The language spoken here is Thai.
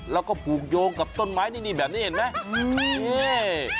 แล้วก็ผูกโยงกับต้นไม้นี่แบบนี้เห็นไหมนี่